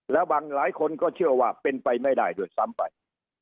แล้วบางหลายคนก็เชื่อว่าเป็นไปไม่ได้ด้วยซ้ำไป